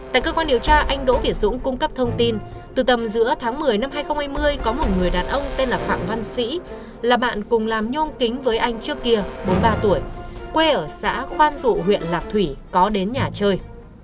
tại cơ quan điều tra anh đỗ việt dũng cung cấp thông tin từ tầm giữa tháng một mươi năm hai nghìn hai mươi có một người đàn ông tên là phạm văn sĩ là bạn cùng làm nhôm kính với anh trước kia bốn mươi ba tuổi quê ở xã khoan dụ huyện lạc thủy có đến nhà chơi